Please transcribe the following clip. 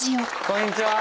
こんにちは！